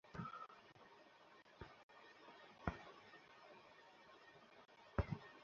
পানির ফিল্টারের অপকারিতাকিছু কিছু ভুয়া কোম্পানি বাজারে তাদের তৈরি পানির ফিল্টার বিক্রি করছে।